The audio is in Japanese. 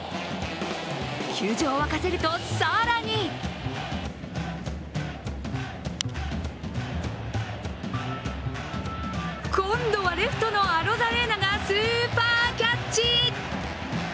球場を沸かせると、更に今度はレフトのアロザレーナがスーパーキャッチ。